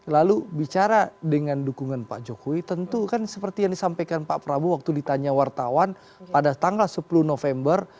lalu bicara dengan dukungan pak jokowi tentu kan seperti yang disampaikan pak prabowo waktu ditanya wartawan pada tanggal sepuluh november